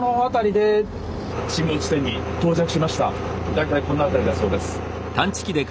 大体この辺りだそうです。